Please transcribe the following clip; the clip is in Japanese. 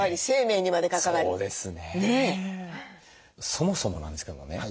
そもそもなんですけどね